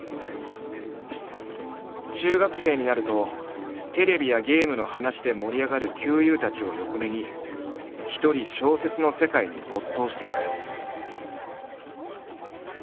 中学生になるとテレビやゲームの話で盛り上がる級友たちを横目に一人小説の世界に没頭していく。